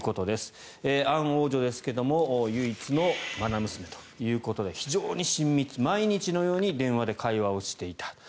アン王女ですが唯一のまな娘ということで非常に親密毎日のように電話で会話をしていたと。